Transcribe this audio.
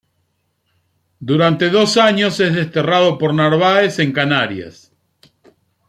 Durante dos años es desterrado por Narváez en Canarias.